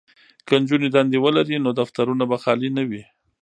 که نجونې دندې ولري نو دفترونه به خالي نه وي.